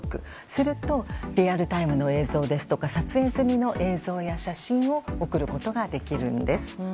するとリアルタイムの映像とか撮影済みの映像や写真を送ることができるんです。